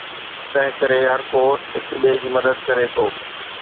تنهنڪري هرڪو هڪ ٻئي جي مدد ڪري ٿو.